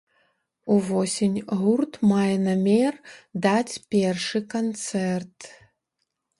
Увосень гурт мае намер даць першы канцэрт.